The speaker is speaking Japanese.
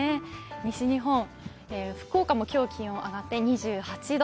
西日本、福岡も今日、気温が上がって２８度。